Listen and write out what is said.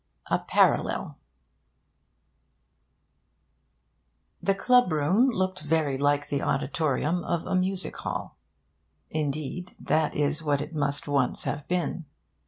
A PARALLEL The club room looked very like the auditorium of a music hall. Indeed, that is what it must once have been.